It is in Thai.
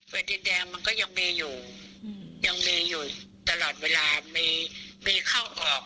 แฟลต์ดินแดงมันก็ยังมีอยู่ยังมีอยู่ตลอดเวลา